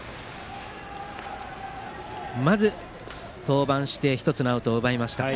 まず登板して１つのアウトを奪いました。